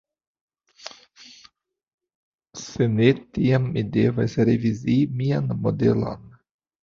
Se ne, tiam mi devas revizii mian modelon.